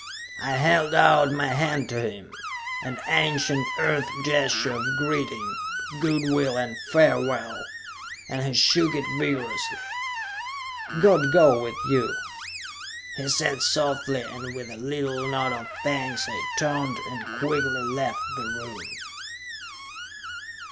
I held out my hand to him an ancient Earth gesture of greeting, good will and farewell and he shook it vigorously. "God go with you," he said softly, and with a little nod of thanks I turned and quickly left the room.